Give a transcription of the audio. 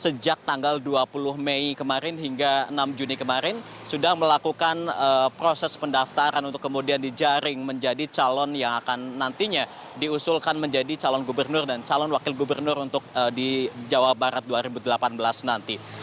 sejak tanggal dua puluh mei kemarin hingga enam juni kemarin sudah melakukan proses pendaftaran untuk kemudian dijaring menjadi calon yang akan nantinya diusulkan menjadi calon gubernur dan calon wakil gubernur untuk di jawa barat dua ribu delapan belas nanti